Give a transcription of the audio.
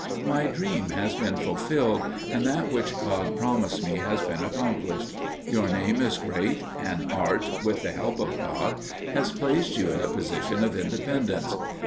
"My dream has been fulfilled, and that which God promised me has been accomplished. Your name is great, and art, with the help of God, has placed you in a position of independence.